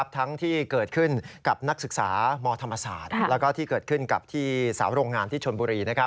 ทั้งที่เกิดขึ้นกับนักศึกษามธรรมศาสตร์ที่เกิดขึ้นกับที่สาวโรงงานที่ชนบุรี